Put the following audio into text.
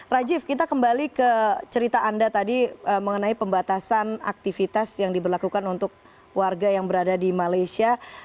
rajiv kita kembali ke cerita anda tadi mengenai pembatasan aktivitas yang diberlakukan untuk warga yang berada di malaysia